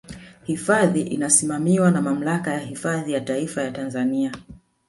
Hifadhi inasimamiwa na Mamlaka ya Hifadhi ya Taifa ya Tanzania